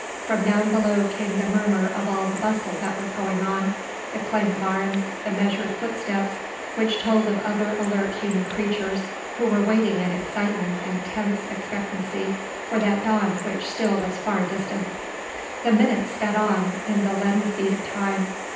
From down below came the murmur of all the bustle that was going on, the clang of arms, the measured footsteps which told of other alert human creatures who were waiting in excitement and tense expectancy for that dawn which still was far distant. The minutes sped on, on the leaden feet of time.